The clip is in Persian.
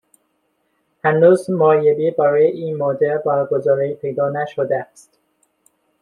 هنوز معایبی برای این مدل برگزاری پیدا نشده است.